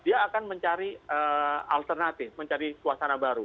dia akan mencari alternatif mencari suasana baru